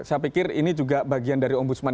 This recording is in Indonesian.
saya pikir ini juga bagian dari ombudsman